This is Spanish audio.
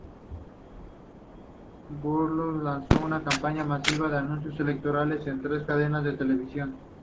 Berlusconi lanzó una campaña masiva de anuncios electorales en sus tres cadenas de televisión.